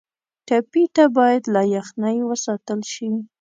ټپي ته باید له یخنۍ وساتل شي.